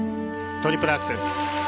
トリプルアクセル。